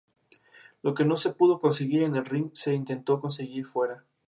Lo que no se pudo conseguir en el ring, se intentó conseguir fuera.